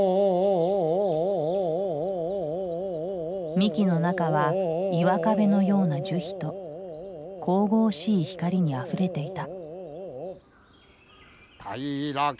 幹の中は岩壁のような樹皮と神々しい光にあふれていた。